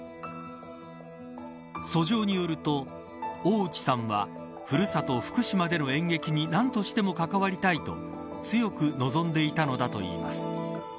訴状によると大内さんはふるさと、福島での演劇に何としても関わりたいと強く望んでいたのだといいます。